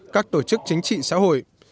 các tổ chức chính trị xã hội